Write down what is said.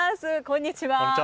こんにちは。